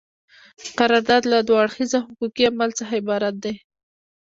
قرارداد له دوه اړخیزه حقوقي عمل څخه عبارت دی.